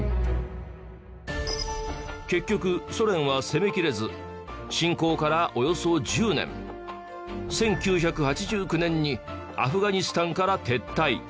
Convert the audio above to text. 結局ソ連は攻めきれず侵攻からおよそ１０年１９８９年にアフガニスタンから撤退。